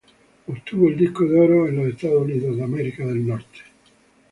Obtuvo el disco de oro en Estados Unidos.